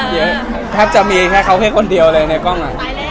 เยอะแทบจะมีแค่เขาแค่คนเดียวเลยในกล้อง